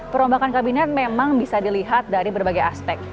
perombakan kabinet memang bisa dilihat dari berbagai aspek